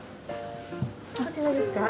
こちらですか？